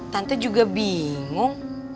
tante juga bingung